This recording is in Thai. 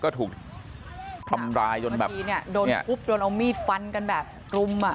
ก็ถูกทำร้ายโดนเอามีดฟันกันแบบรุม